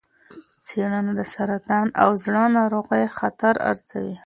څېړنه د سرطان او زړه ناروغۍ خطر ارزوي.